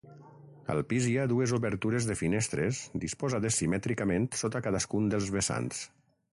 Al pis hi ha dues obertures de finestres disposades simètricament sota de cadascun dels vessants.